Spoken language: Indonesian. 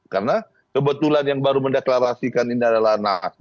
karena kebetulan yang baru mendeklarasikan ini adalah nas